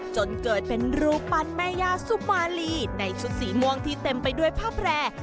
จนเกิดเป็นรูปปั้นแม่ยาสุมาลีในชุดสีม่วงที่เต็มไปด้วยผ้าแพร่